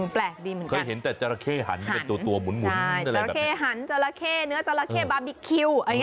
เป็นปิ้งนมสด